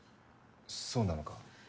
そうなのか？